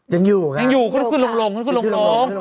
ยังอยู่ค่ะเขาต้องขึ้นลง